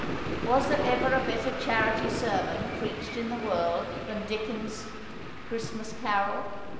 Was there ever a better charity sermon preached in the world than Dickens's "Christmas Carol"?